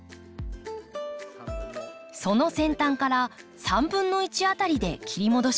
その先端から３分の１辺りで切り戻します。